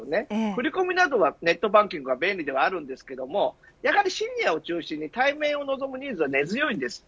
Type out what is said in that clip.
振り込みなどはネットバンキングが便利ですがやはりシニアを中心に対面を望むニーズは根強いです。